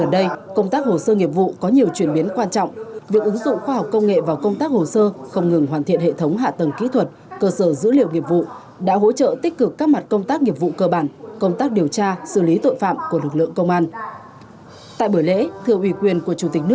ở đây công tác hồ sơ nghiệp vụ có nhiều chuyển biến quan trọng việc ứng dụng khoa học công nghệ vào công tác hồ sơ không ngừng hoàn thiện hệ thống hạ tầng kỹ thuật cơ sở dữ liệu nghiệp vụ đã hỗ trợ tích cực các mặt công tác nghiệp vụ cơ bản công tác điều tra xử lý tội phạm của lực lượng công an